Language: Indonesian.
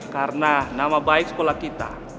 karena nama baik sekolah kita